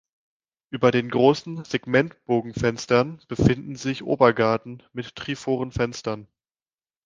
Über den großen Segmentbogenfenstern befinden sich Obergaden mit Triforen-Fenstern.